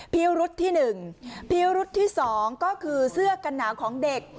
เพียวรุธที่หนึ่งเพียวรุธที่สองก็คือเสื้อกันหนาของเด็ก